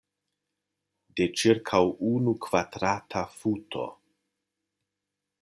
De ĉirkaŭ unu kvadrata futo.